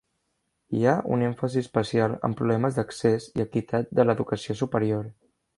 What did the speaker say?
Hi ha un èmfasi especial en problemes d'accés i equitat de l'educació superior.